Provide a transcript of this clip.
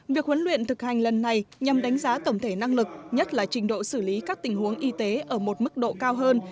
việc huấn luyện thực hành lần này nhằm đánh giá tổng thể năng lực nhất là trình độ xử lý các tình huống y tế ở một mức độ cao hơn